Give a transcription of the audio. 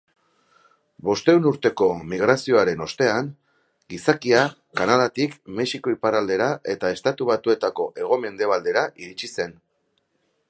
Bostehun urteko migrazioaren ostean, gizakia Kanadatik Mexiko iparraldera eta Estatu Batuetako hegomendebaldera iritsi zen.